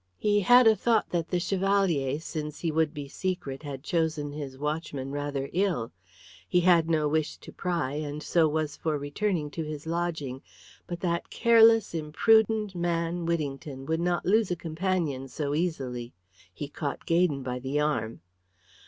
He had a thought that the Chevalier, since he would be secret, had chosen his watchman rather ill. He had no wish to pry, and so was for returning to his lodging; but that careless, imprudent man, Whittington, would not lose a companion so easily. He caught Gaydon by the arm.